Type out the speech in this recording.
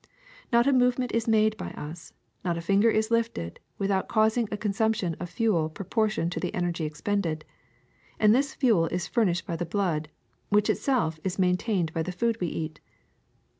Not a movement is made by us, not a finger is lifted, without causing a consumption of fuel proportioned to the energy expended; and this fuel is furnished by the blood, which itself is main tained by the food we eat.